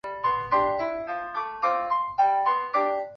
球面反照率在描述天体能量平衡上是相当重要的数值。